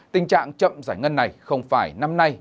tình trạng chậm giải ngân này không phải năm nay